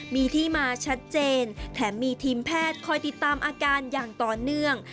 มีที่มาชัดเจนแถมมีทีมแพทย์คอยติดตามอาการอย่างต่อเนื่อง